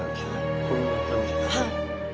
はい。